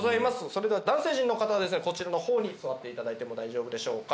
それでは男性陣の方はですねこちらの方に座っていただいても大丈夫でしょうか。